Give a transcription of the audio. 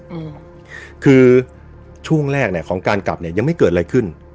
อืมคือช่วงแรกเนี้ยของการกลับเนี้ยยังไม่เกิดอะไรขึ้น